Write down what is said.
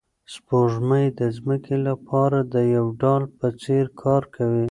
سپوږمۍ د ځمکې لپاره د یو ډال په څېر کار کوي.